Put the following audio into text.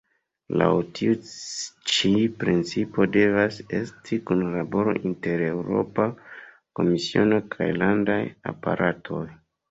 Laŭ tiu ĉi principo devas esti kunlaboro inter Eŭropa Komisiono kaj landaj aparatoj.